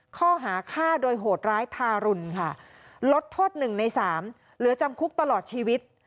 ข้อหาฆ่าโดยโหดร้ายทารุณค่ะลดโทษ๑ใน๓เหลือจำคุกตลอดชีวิต